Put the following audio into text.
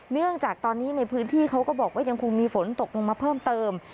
เนื่องจากตอนนี้ในพื้นที่เขาก็บอกว่ายังคงมีฝนตกลงมาเพิ่มเติม